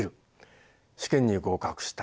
試験に合格した。